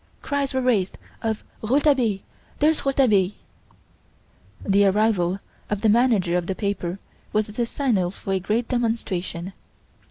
Cries were raised of "Rouletabille! there's Rouletabille!" The arrival of the manager of the paper was the signal for a great demonstration.